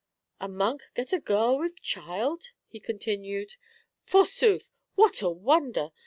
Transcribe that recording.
' A monk get a girl with child !" he continued ;" forsooth, what a wonder!